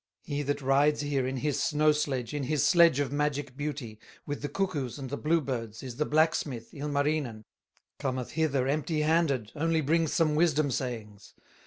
"He that rides here in his snow sledge In his sledge of magic beauty, With the cuckoos and the bluebirds, Is the blacksmith, Ilmarinen, Cometh hither empty handed, Only brings some wisdom sayings.